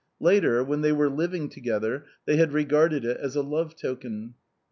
Later, when they were living together, they had regarded it as a love token.